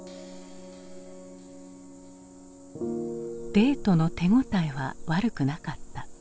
デートの手応えは悪くなかった。